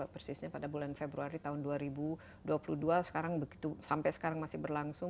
persisnya pada bulan februari tahun dua ribu dua puluh dua sekarang sampai sekarang masih berlangsung